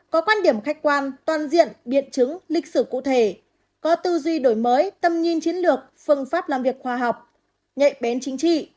có quan điểm khách quan toàn diện biện chứng lịch sử cụ thể có tư duy đổi mới tầm nhìn chiến lược phương pháp làm việc khoa học nhạy bén chính trị